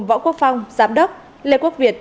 võ quốc phòng giám đốc lê quốc việt